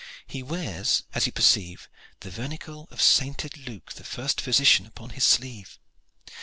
He wears, as you perceive, the vernicle of Sainted Luke, the first physician, upon his sleeve.